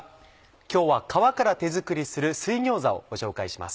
今日は皮から手作りする「水餃子」をご紹介します。